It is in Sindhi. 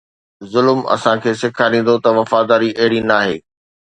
ظلم اسان کي سيکاريندو ته وفاداري اهڙي ناهي